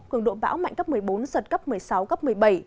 cường độ bão mạnh cấp một mươi bốn giật cấp một mươi sáu cấp một mươi bảy